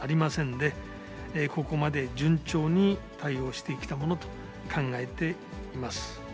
で、ここまで順調に対応してきたものと考えています。